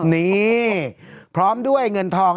นี่พร้อมด้วยเงินทอง